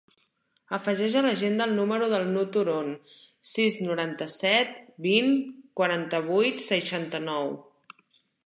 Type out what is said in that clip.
Afegeix a l'agenda el número del Nouh Turon: sis, noranta-set, vint, quaranta-vuit, seixanta-nou.